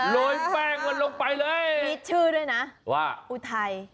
โดยแป้งมันลงไปเลยว่าอุทัย